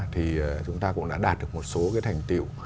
thì chúng ta cũng đã đạt được một số cái thành tiệu